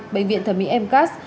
bệnh viện thẩm mỹ mcas